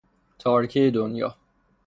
تارکه دنیا